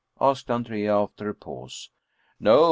" asked Andrea after a pause. " No.